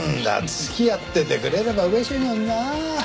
付き合っててくれれば嬉しいのになあ。